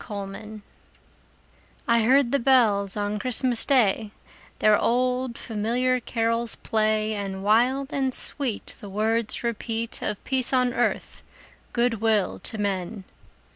CHRISTMAS BELLS I heard the bells on Christmas Day Their old, familiar carols play, And wild and sweet The words repeat Of peace on earth, good will to men!